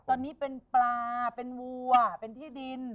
ตอนนี้เป็นปลาเป็นวัวเป็นที่ดิน